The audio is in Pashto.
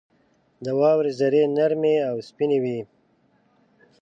• د واورې ذرې نرمې او سپینې وي.